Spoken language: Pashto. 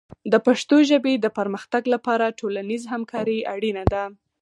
د پښتو ژبې د پرمختګ لپاره ټولنیز همکاري اړینه ده.